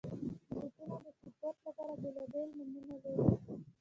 بوټونه د سپورټ لپاره بېلابېل نومونه لري.